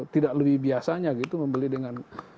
tidak lebih biasanya gitu membeli dengan